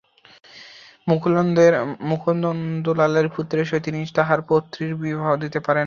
মুকুন্দলালের পুত্রের সহিত তিনি তাঁহার পৌত্রীর বিবাহ দিতে পারেন না।